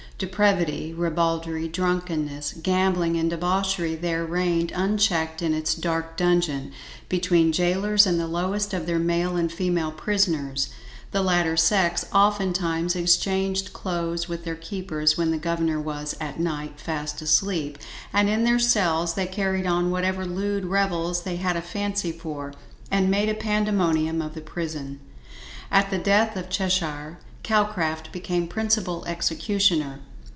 Depravity, ribaldry, drunkenness, gambling and debauchery there reigned unchecked in its dark dungeon, between gaolers and the lowest of their male and female prisoners. The latter sex often times exchanged clothes with their keepers, when the govener was, at night, fast asleep, and in their cells they carrried on whatever lewd revels they had a fancy for, and made a pandemonium of the prison. At the death of Cheshire, Calcraft became principal executioner.